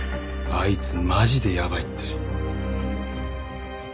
あいつマジでやばいって。